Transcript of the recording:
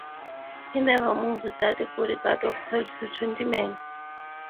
He never moves without a bodyguard of twelve to twenty men.